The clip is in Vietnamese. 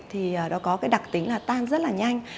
thì nó có cái đặc tính là tan rất là nhanh